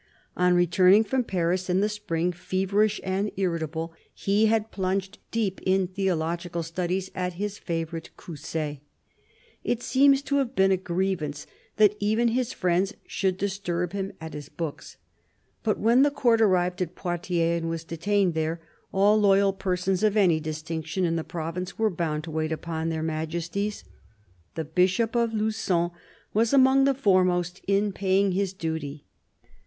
On returning from Paris in the spring, feverish and irritable, he had plunged deep in theological studies at his favourite Coussay. It seems to have been a grievance that even his friends should disturb him at his books. But when the Court arrived at Poitiers and was detained there, all loyal persons of any distinction in the province were bound to wait upon their Majesties. The Bishop of Lugon was among the foremost in paying his duty.